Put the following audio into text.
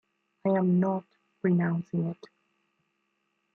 I am not renouncing it...